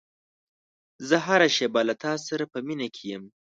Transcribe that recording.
زه هره شېبه له تا سره په مینه کې یم.